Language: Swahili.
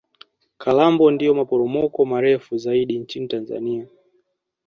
Kalambo ndio maporomoko marefu zaidi nchini tanzania